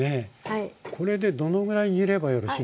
これでどのぐらい煮ればよろしいんですか？